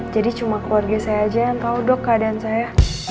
jadi cuma keluarga saya aja yang tau dok keadaan saya